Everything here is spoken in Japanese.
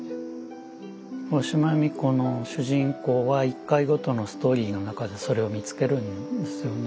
大島弓子の主人公は一回ごとのストーリーの中でそれを見つけるんですよね。